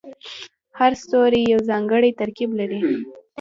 هر ستوری یو ځانګړی ترکیب لري.